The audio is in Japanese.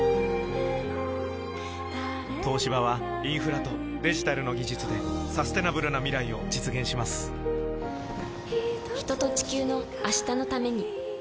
東芝はインフラとデジタルの技術でサステナブルな未来を実現します人と、地球の、明日のために。